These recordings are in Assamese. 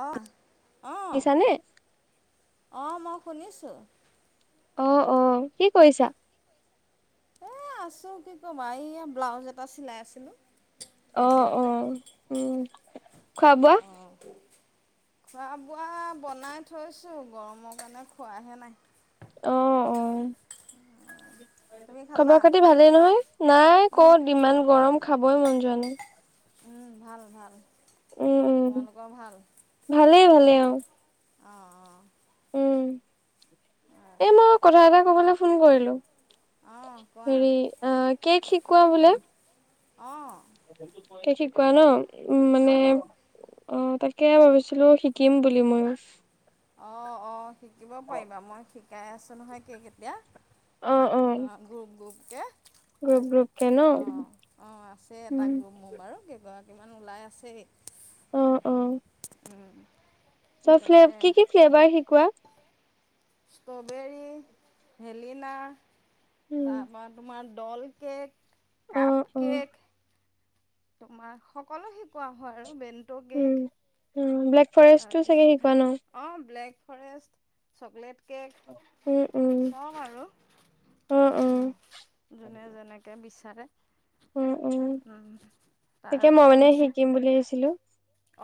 অ' আ। শুনিছানে? অ মই শুনিছো অ অ কি কৰিছা এ আছো কি ক'বা এইয়া ব্লাউজ এটা চিলাই আছিলো আহ অ উম খোৱা বোৱা অঁ খোৱা বোৱা বনাই থৈছো গৰমৰ কাৰণে খোৱাহে নাই অ অ তুমি খালা খবৰ খাতি ভালেই নহয় নাই উম কত ইমান গৰম খাবই মন যোৱা নাই উম ভাল ভাল। উম উম তোমালোকৰ ভালে ভালে আহ। অ অ। উম এ মই কথা এটা কবলৈ ফোন কৰিলো। অঁ কোৱা হেৰি অ কেক শিকোৱা বোলে। অ। কেক শিকোৱা ন মানে অঁ অ তাকে। তাকে ভাবিছিলো শিকিম বুলি মই। অ অ শিকিব পাৰিবা মই শিকাই আছো নহয় কেক এতিয়া। অ গ্ৰুপ গ্ৰুপ কে গ্ৰুপ গ্ৰুপকে ন? অ অ আছে এটা উম, গ্ৰুপ মোৰ বাৰু কেইগৰাকী কিমান ওলাই আছেই অ অ উম, তাকে কি কি ফ্লেভাৰ শিকোৱা ষ্ট্ৰবেৰী ভেলিনা উম, তাৰপা তোমাৰ ডল কেক অ', কাপ অ'। কেক তোমাৰ সকলো শিকোৱা হয় আৰু বে উ ব্লেক ফৰেষ্টটো চাগে তাৰপিছতে শিকোৱা ন অঁ ব্লেক ফৰেষ্ট চকলেট কেক উম উম চব আৰু অ অ যোনে যেনেকে বিচ উম উম তাৰ তাকে মই মানে শিকিম বুলি আহিছিলো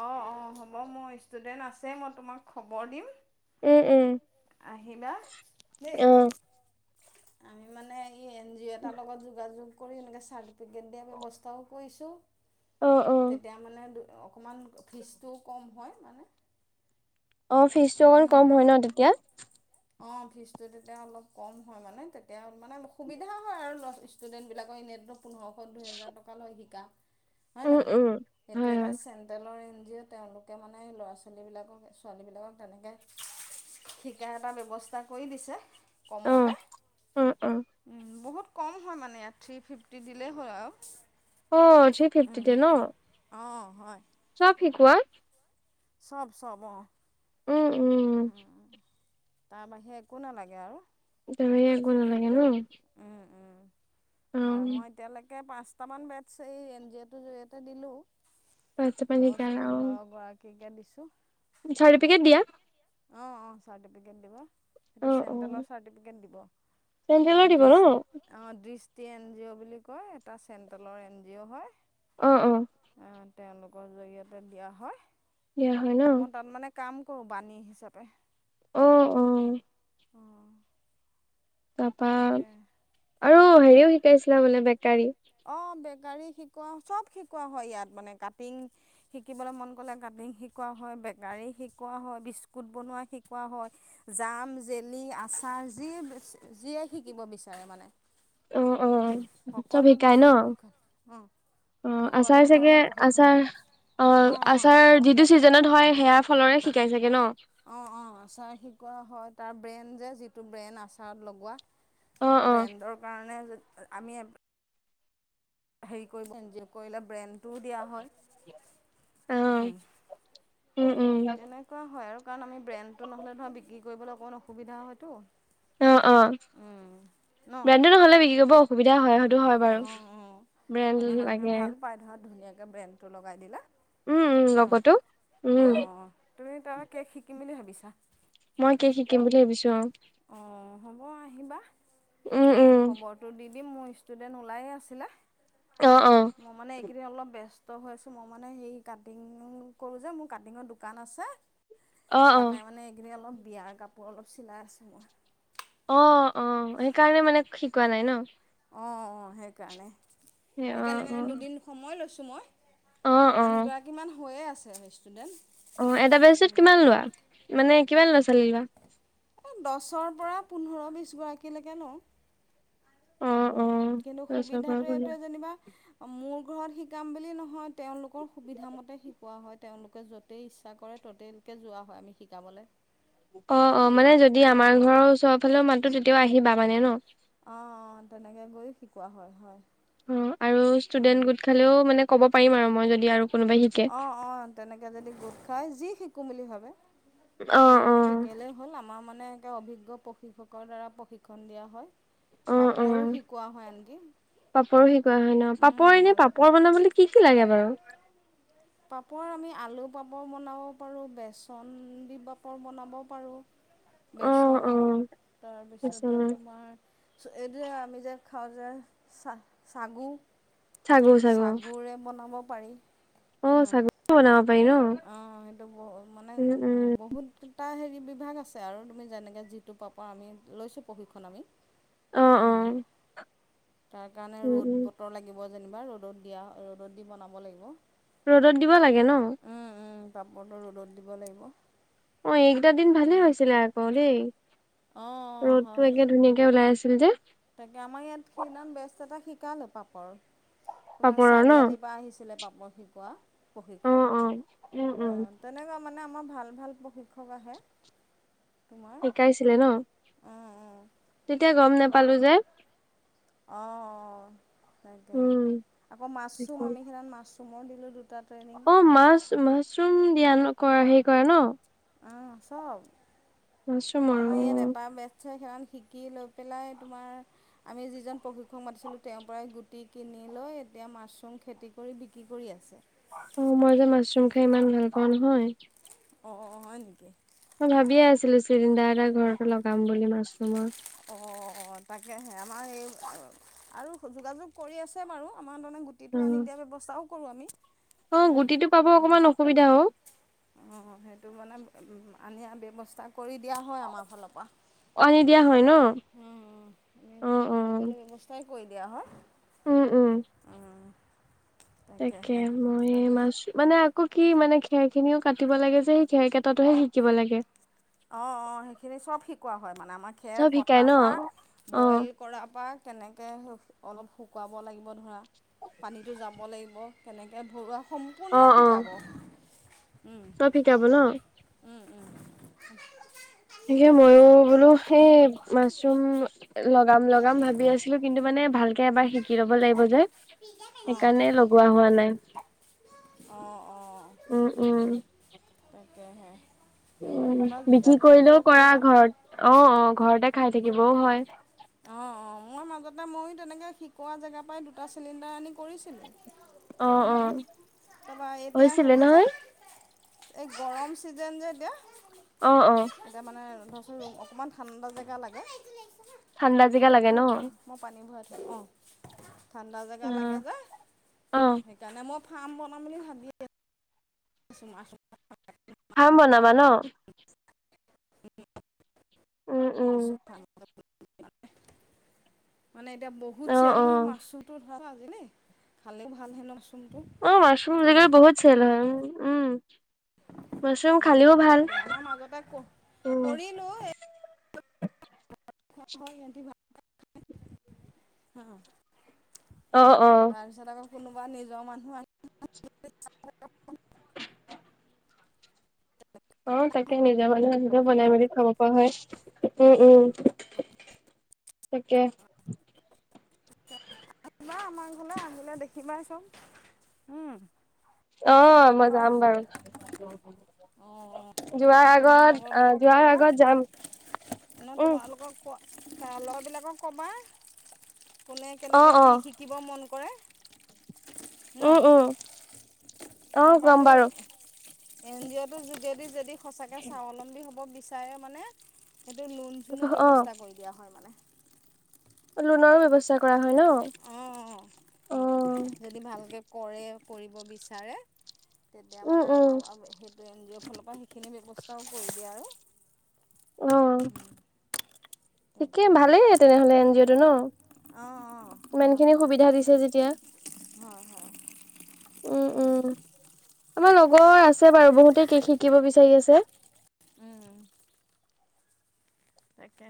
অ অ হ'ব মোৰ ষ্টুডেন্ট আছে মই তোমাক খবৰ দিম উম উম আহিবা দেই অ আমি মানে এন জি অ' এটাৰ লগত যোগাযোগ কৰি এনে চাৰ্টিফিকেট দিয়া ব্যৱস্থাও কৰিছো অ অ তেতিয়া মানে অকণমান ফিজটোও কম হয় মানে অ ফিজটো অকণ কম হয় ন তেতিয়া অ ফিজটো তেতিয়া অলপ কম হয় মানে তেতিয়া মানে সুবিধা হয় আৰু ষ্টুডেন্ট বিলাকৰ হয় [unintelligible] পোন্ধৰশ দুহেজাৰ টকা লয় শিকা হয় উম নহয় উম সেইটো হয় এটা হয় চেণ্ট্ৰেলৰ যে তেওঁলোকে মানে ল'ৰা ছোৱালীবিলাকক ছোৱালীবিলাকক তেনেকে শিকা এটা ব্যৱস্থা কৰি দিছে অ কমতে অ অ বহুত কম হয় মানে ইয়াত থ্ৰী ফিফটি দিলেই হ'ল আৰু অ থ্ৰী ফিফ্তিতে ন অঁ হয় চব শিকুৱা চব চব অহ উম উম তাৰ বাহিৰে একো নালাগে আৰু তাবাহিয়ে একো নালাগে ন উম উম। অ হয় মই এতিয়ালৈকে পাঁচটামান বেটছ এই এন জি অ'টোৰ জৰিয়তে দিলোঁ ভাত চাত পানী দহ শিকালা অ পোন্ধৰ গৰাকীকে দিছো চাৰ্টিফিকেট দিয়া। অঁ অঁ চাৰ্টিফিকেট দিব অ সেইটো অ চেণ্ট্ৰেলৰ চাৰ্টিফিকেট দিব। চেন্ট্ৰেলৰ তোমাৰ দিব ন ড্ৰেচ অ ড্ৰেচ। এটি এন জি অ' বুলি কয় এটা চেন্ট্ৰেলৰ এন জি অ' হয়। অহ অহ অঁ তেওঁলোকৰ জৰিয়তে দিয়া হয় দিয়া হয় ন মই তাত মানে কাম কৰোঁ বানী। চাপে। উম। অ। তাৰপা আৰু হেৰিও শিকাইছিলা মানে বেকাৰী? অ বেকাৰী শিকোৱা চব শিকোৱা হয় ইয়াত মানে কাটিং শিকিবলৈ মন কলে কাটিং শিকোৱা হয়, বেকাৰী শিকোৱা হয়, বিস্কুত বনোৱা শিকোৱা হয়, জাম জেলী আচাৰ যি যিয়ে শিকিব বিচাৰে মানে। অ অ। চব সকলো শিকাই ন ধৰণৰ পশিক্ষন অ। অ আচাৰ চাগে আচাৰ অ অঁ অঁ আচাৰ যিটো চিজনত হয় সেয়া ফলৰে শিকাই চাগে ন? অ অ আচাৰ শিকোৱা হয় তাৰ ব্ৰেণ যে যিটো ব্ৰেণ আচাৰত লগোৱা অ তাৰ অ ব্ৰেণ্ডৰ কাৰণে আমি হেৰি কৰি [unintelligible] কৰিলে ব্ৰেণ্ড টোও দিয়া হয় অ উম। উম উম তেনেকুৱা হয় আৰু কাৰণ আমি ব্ৰেণ্ডটো নহলে ধৰ বিক্ৰী কৰিবলৈ অকণমান অসুবিধা হয়তো। অ অ উম ন ব্ৰণ্ডটো নহ'লে বিক্ৰী কৰিব অসুবিধা হয়। সেইটো হয় বাৰু অঁ অঁ ব্ৰেণ্ড মানে মানুহে লাগে। ভাল পায় ধৰা ধুনীয়াকৈ ব্ৰেণ্ডটো লগাই দিলা উম উম ন লগতো অ উম তুমি তাৰ কেক শিকিম বুলি ভাবিছা? মই কি শিকিম বুলি ভাবিছো আও। অঁ হ'ব আহিবা অ উম মই উম খবৰটো দিম দিম মোৰ ষ্টুডেণ্ট ওলায়ে আছিলে, অ অ মোৰ মানে এইকেইদিন অলপ বেস হৈছো মই মানে সেই কাটিং কৰো যে মোৰ কাটিঙৰ দোকান আছে। অ তাতে মানে এইখিনি অলপ বিয়াৰ কাপোৰ অলপ চিলাই আছো। অ অ সেইকাৰণে মানে শিকোৱা নাই ন? অঁ অঁ সেইকাৰণে অ সেইকাৰণে মানে দুদিন সময় লৈছোঁ মই। অ অ অ আঠগৰাকী মান হৈয়ে আছে ষ্টুডেণ্ট। অ এটা বেটছ কিমান লোৱা মানে কিমান ল'ৰা -ছোৱালী লোৱা? দহৰ পৰা পোন্ধৰ বিশ গৰাকীলেকে লওঁ। অ অ উম কিন্তু সুবিধটো এইটোৱে যেনিবা মোৰ [inaudible] শিকাম বুলি নহয় তেওঁলোকৰ সুবিধা মতে শিকোৱা হয় তেওঁলোকে য'তেই ইচ্ছা কৰে ততেই লোকে যোৱা হয় আমি শিকাবলে। অ অ মানে যদি আমাৰ ঘৰৰ ওচৰৰ ফালেও মাতো তেতিয়াও আহিবা মানে ন? আহ অ তেনেকে গৈও শিকোৱা হয় হয়। অ আৰু ষ্টুডেন্ট গোট খালেও মানে ক'ব পাৰিম আৰু মই যদি আৰু কোনোবাই শিকে অ অ তেনেকে যদি গোট খাই যি শিকো বুলি ভাবে। অ সেইটো অ শিকিলেই হ'ল আমাৰ মানে অভিজ্ঞ প্ৰশিক্ষকৰ দ্বাৰা প্ৰশিক্ষণ দিয়া হয়। পাপৰো শিকোৱা হয় আনকি। পাপৰ শিকোৱা হয় ন? পাপৰ এনে মাজতে পাপৰ বনাবলৈ কি কি লাগে বাৰু,? পাপৰ আমি আলু পাপৰ বনাব পাৰোঁ বেচন দি পাপৰ বনাব পাৰোঁ। অ অ বেচনৰ, আচ্ছা তাৰপিছতে তোমাৰ এইটো আমি যে খাওঁ যে চ চাগু? চাগু চাগু চাগুৰে বনাব পাৰি। অ', চাগু দি বনাব পাৰি ন? অ', সেইটো ব, মানে উম উম বহুত এটা হেৰি বিভাগ আছে আৰু তুমি যেনেকৈ যিটোৰ পৰপা আমি লৈছোঁ প্ৰশিক্ষণ আমি অ অ হুম, তাৰ কাৰণে উম ৰ'দ উম বতৰ লাগিব যেনেবা ৰ'দত দিয়া, ৰ'দত দি বনাব লাগিব। ৰ'দত দিব লাগে ন? উম পাপৰটো ৰ'দত দিব লাগিব। অ', এই কেইটাদিন ভালে আছিলে আকৌ দেই। অঁ ৰ'দটো হয় একে ধুনীয়াকে ওলাই আছিল যে তাকে আমাৰ ইয়াত সেইদিনা বেষ্ট এটা শিকালে পাপৰ তোমাৰ পাপৰৰ ন চাৰিআলিৰ পৰা আহিছিলে পাপৰ শিকোৱা অ প্ৰশিক্ষক অ উম উম অ', তেনেকুৱা মানে আমাৰ ভাল ভাল প্ৰশিক্ষক আহে তোমাৰ শিকাইছিলে ন? অঁ অঁ তেতিয়া গম নোপালো যে অঁ অঁ তাকে উম আকৌ মাচৰুম আমি সেই মাচৰুমৰ দিলোঁ দুটা। ট্ৰেইনিং অ', মাছ, মাচৰুম দিয়া নকৰে হেৰি কৰে ন? অঁ', চব কিছু মানুহ সেইখন শিকি লৈ পেলাই তোমাৰ আমি যিজন প্ৰশিক্ষক মাতিছিলোঁ তেওঁৰ পৰাই গুটি কিনি লৈ এতিয়া মাচৰুম খেতি কৰি বিক্ৰী কৰি আছে অ', মই যে মাচৰুম খাই ইমান ভাল পাওঁ নহয়। অ', হয় নেকি? মই ভাবিয়ে আছিলোঁ চিলিণ্ডাৰ এটা ঘৰতে লগাম বুলি মাচৰুমৰ। অঁ তাকেহে আমাৰ এই আৰু যোগাযোগ কৰি আছে বাৰু আমাৰ তাৰমানে অ গুটিটো আনি দিয়া ব্যৱস্থাও কৰোঁ আমি অ', গুটিটো পাব অকমান অসুবিধা হও। অ', সেইটো মানে আনিয়াৰ ব্যৱস্থা কৰি দিয়া হয় আমাৰ ফালৰ পৰা। আনি দিয়া হয় ন? অ', অ'। কৈ দিয়া হয়। উম, উম। তাকে তাকেহে মই বাকী মাছ মানে আকৌ কি মানে? খেৰ খিনিও কাটিব লাগে যে সেই খেৰ কেইটাহে শিকিব লাগে। অ', অ', সেইখিনি চ'ব শিকোৱা হয় মানে আমাৰ খেৰ চব শিকাই কটাৰ ন পৰা, অ বইল কৰাৰ পৰা তেনেকে অলপ শুকুৱাব লাগিব ধৰা পানীটো যা যাব লাগিব, কেনেকে ভৰুৱা সম্পূৰ্ণ অ', অ', শিকাব উম চ'ব শিকাব ন? উম উম [unintelligible] তাকে ময়ো বোলো সেই মাচৰুম লগাম-লগাম ভাবি আছিলোঁ কিন্তু মানে ভালকে এবাৰ শিকি ল'ব লাগিব যে। অঁ সেইকাৰণে লগোৱা হোৱা নাই। অ', অ'। উম, উম। তেতিয়াহে। উম, বিক্ৰী কৰিলেও কৰা পাৰিবা ঘৰত। অ', অ', ঘৰতে খাই থাকিবও হয়। অ', অ', মই মাজতে ময়ো তেনেকে শিকোৱা জেগাৰ পৰাই দুটা চিলিণ্ডাৰ আনি কৰিছিলোঁ অ', - অ তাৰপৰা ', এতিয়া হৈছিলে হেৰি যে নহয়? এই গৰম ছিজন যে এতিয়া আহ', - অ', এতিয়া মানে ধৰচোন ৰুম অকণমান ঠাণ্ডা জেগা লাগে ঠাণ্ডা জেগা লাগে ন? এইটো থোৱা মই পানী ভৰাই অঁ ঠাণ্ডা জেগা লাগে অ', যে অ', সেইকাৰণে মই। ফাৰ্ম বনাম বুলি ভাবিয়। কিছুমান আচ [unintelligible] ফাৰ্ম বনাবা ন? উম উম, উম, ছুখা। মানে এতিয়া বহুত অ', চেল হয় অ', মাছতটো ধৰা আজিলেই খালেও ভাল হেনো। মাছৰুমটো অ', মাছৰুম [unintelligible] বহুত চেল হয় উম, উম। মাছৰুম খালিও ভাল। উম, কৰিলো এ হয়, শেহতী [inaudible] অ', অ'। কোনোবা নিজৰ মানুহ আহিলে [unintelligible] অ', তাকে নিজা মানুহ নিজে বনাই মেলি খাব পৰা হয়, উম, উম। তাকে। আহিবা আমাৰ ঘৰলৈ আহিলে দেখিবা চব, উম। অ', মই পা যাম বাৰু। অ অ তাকে যোৱাৰ তোমাৰ আগত অ, যোৱাৰ আগত যাম। মই উম, তোমালোকক খোৱা ল'ৰাবিলাকক ক'বা কোনে অ', কেনেকৈ কি অ', শিকিব মন কৰে। ন উম উম অহ তাৰপৰা কম সেই বাৰু এন জি অ' টো যদি যদি সঁচাকে স্বাৱলম্বী হ'ব বিচাৰে মানে। সেইটো লোন চোণো অ', ব্যৱস্থা কৰি দিয়া হয় মানে। লোনৰো ব্যৱস্থা কৰা হয় ন? অঁ হয় অ', যদি ভালকৈ কৰে কৰিব বিচাৰে। তেতিয়া উম, মানে উম, আমাৰ সেইটো এন জি অ'ৰ ফালৰ পৰা সেইখিনি ব্যৱস্থাও কৰি দিয়ে আৰু। উম। ঠিকে তাকে ভালেই তেনেহলে এন জি অ'টো ন। অঁ অঁ ভাল ইমানখিনি ভাল সুবিধা দিছে যেতিয়া। হয় হয় উম উম আমাৰ লগৰ আছে বাৰু বহুতে। কি শিকিব বিচাৰি আছে। উম তাকে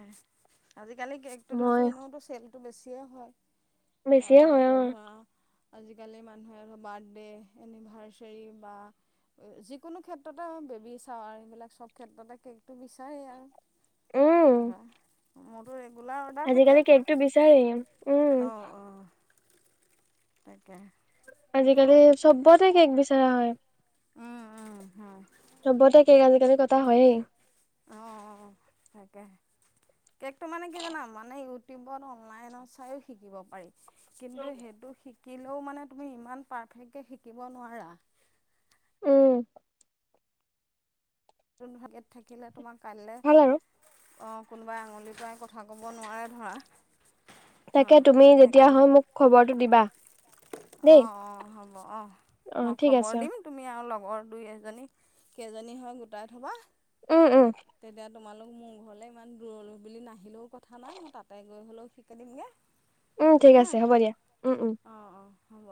আজিকালি কেকটো মই ধৰাছো এনেইতো চেলটো বেছিয়ে হয়। বেছিয়ে কাৰণ হয় এইটো অ', ধৰা আজিকালি মানুহে বাৰ্থডে এনিভাৰ্চাৰী বা। ষ যিকোনো ক্ষেত্ৰতে বেবী চাৱাৰ এইবিলাক সব ক্ষেত্ৰতে কেকটো বিচাৰেই আৰু। উম। হ মোৰো এক আজিকালি কেকটো বিচাৰেই। উম অ অ তাকে। আজিকালি চবতে কেক বিচৰা হয়। উম উম হয় চবতে কেক আজি কালি কতা হয়েই। অঁ অঁ তাকে। কেকটো মানে কি জান মানে ইউটিউবত অনলাইন চাইও শিকিব পাৰি কিন্তু সেইটো। শিকিলেও মানে তুমি ইমান পাৰফেক্ট কে শিকিব নোৱাৰা। উম। থাকিলে তোমাৰ কাইলে ভাল আৰু অ। কোনোবাই আঙুলিৰ পৰাই কথা ক'ব নোৱাৰে ধৰা। ন তাকে তুমি যেতিয়া সেইকাৰণে হয় মোক খবৰটো দিবা। দেই অঁ অঁ হ'ব অঁ অ মই ঠিক আছে খবৰ অ দিম তুমি আৰু লগৰ দুই এজনী কেইজনী হয় গোটাই থবা। উম উম। তেতিয়া তোমালোক মোৰ ঘৰলে ইমান দূৰলৈ বুলি নাহিলেও কথা নাই মই তাতে গৈ হ'লেও শিকাই দিমগে। উম ঠিক আছে হ'ব দিয়া উম উম। অঁ অঁ হ'ব।